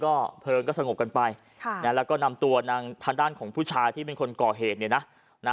ก็เพลิงก็สงบกันไปค่ะนะแล้วก็นำตัวนางทางด้านของผู้ชายที่เป็นคนก่อเหตุเนี่ยนะ